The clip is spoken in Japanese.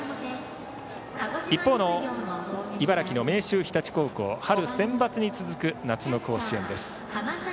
一方の茨城の明秀日立高校春センバツに続く夏の甲子園です。